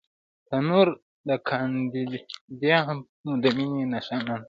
تنور د ګاونډیانو د مینې نښانه ده